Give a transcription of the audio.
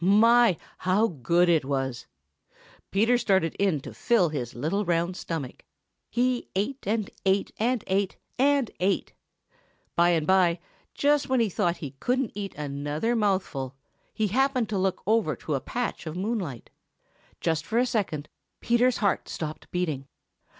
My, how good it was! Peter started in to fill his little round stomach. He ate and ate and ate and ate! By and by, just when he thought he couldn't eat another mouthful, he happened to look over to a patch of moonlight. For just a second Peter's heart stopped beating.